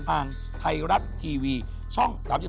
ทางไทยรัฐทีวีช่อง๓๒